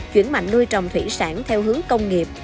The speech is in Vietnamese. chuyển mạnh nuôi trồng thủy sản theo hướng công nghiệp